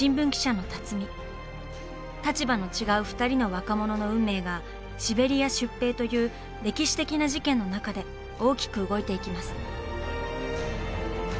立場の違う２人の若者の運命が「シベリア出兵」という歴史的な事件の中で大きく動いていきます。